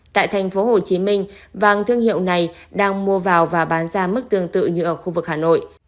tại thành phố hồ chí minh vàng thương hiệu này đang mua vào và bán ra mức tương tự như ở khu vực hà nội